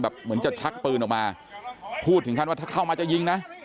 แบบเหมือนจะชักปืนออกมาพูดถึงว่าเข้ามาจะยิงนะ